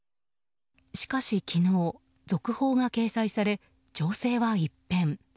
しかし、昨日続報が掲載され情勢は一変。